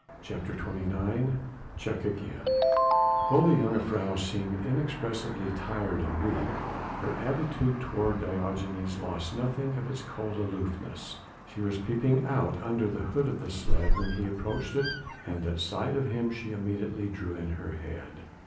CHAPTER XXIX CHECK AGAIN Though the jongejuffrouw seemed inexpressibly tired and weak, her attitude toward Diogenes lost nothing of its cold aloofness. She was peeping out under the hood of the sledge when he approached it, and at sight of him she immediately drew in her head.